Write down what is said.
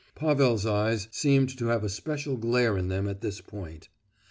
(Pavel's eyes seemed to have a special glare in them at this point.)